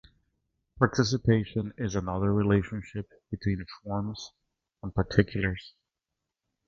"Participation" is another relationship between forms and particulars.